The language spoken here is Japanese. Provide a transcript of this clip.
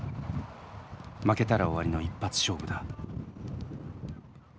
負けたら終わりの一発勝負だ。